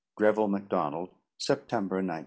GREVILLE MACDONALD. September 1905.